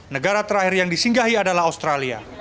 negara terakhir yang disinggahi adalah australia